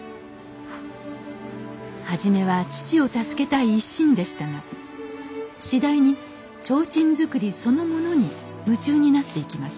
初めは父を助けたい一心でしたが次第に提灯作りそのものに夢中になっていきます